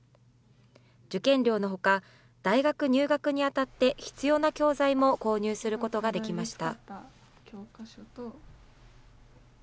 受験料のほか、大学入学にあたって必要な教材も購入することができました。